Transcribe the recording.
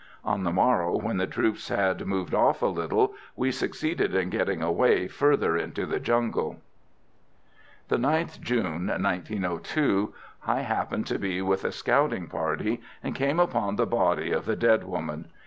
"On the morrow, when the troops had moved off a little, we succeeded in getting away further into the jungle...." The 9th June, 1902, I happened to be with a scouting party, and came upon the body of the dead woman.